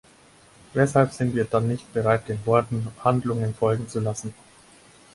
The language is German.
Weshalb sind wir dann nicht bereit, den Worten Handlungen folgen zu lassen?